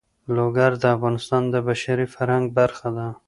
لوگر د افغانستان د بشري فرهنګ برخه ده.